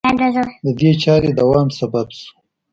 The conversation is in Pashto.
د دې چارې دوام سبب شو